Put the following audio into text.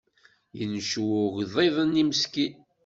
Yenncew ugḍiḍ-nni meskin.